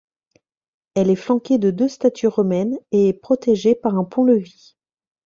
Elle est flanquée de deux statues romaines et est protégée par un pont-levis.